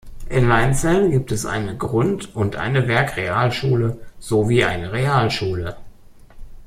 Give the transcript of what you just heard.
In Leinzell gibt es eine Grund- und eine Werkrealschule sowie eine Realschule.